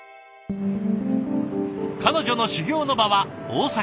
彼女の修業の場は大阪。